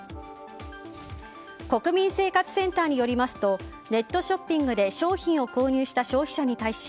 国民生活センターによりますとネットショッピングで商品を購入した消費者に対し